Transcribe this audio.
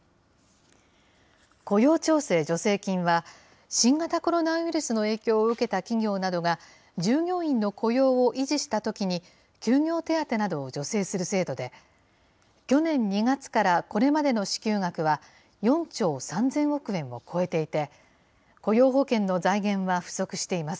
雇用調整助成金は、新型コロナウイルスの影響を受けた企業などが、従業員の雇用を維持したときに、休業手当などを助成する制度で、去年２月からこれまでの支給額は４兆３０００億円を超えていて、雇用保険の財源は不足しています。